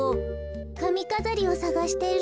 かみかざりをさがしているの。